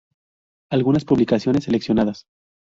Algunas publicaciones seleccionadas.